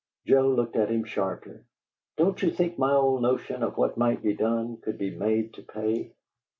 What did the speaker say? Joe looked at him sharply. "Don't you think my old notion of what might be done could be made to pay?"